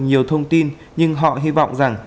nhiều thông tin nhưng họ hy vọng rằng